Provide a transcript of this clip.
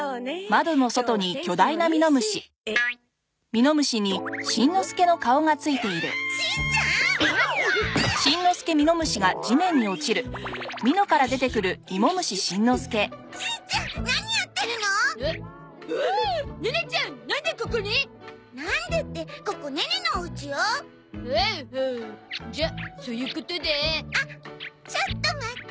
あっちょっと待って。